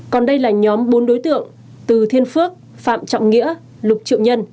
còn đây là nhóm bốn đối tượng từ thiên phước phạm trọng nghĩa lục triệu nhân